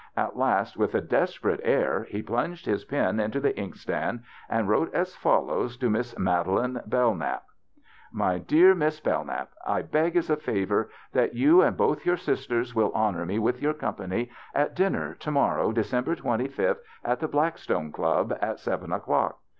At last, with a desperate air he plunged his pen into the inkstand and wrote as follows to Miss Madeline Bellknap :" My dear Miss Bellknap : I beg as a favor that you and both your sisters will honor me with your company at dinner to morrow, De cember 25th, at the Blackstone Club, at seven o'clock.